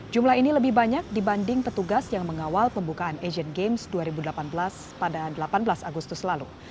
jumlah ini lebih banyak dibanding petugas yang mengawal pembukaan asian games dua ribu delapan belas pada delapan belas agustus lalu